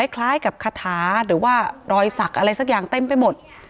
คล้ายกับคาถาหรือว่ารอยสักอะไรสักอย่างเต็มไปหมด